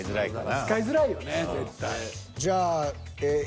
使いづらいよね絶対。